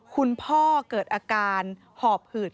คุณพ่อเกิดอาการหอบหืด